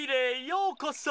ようこそ！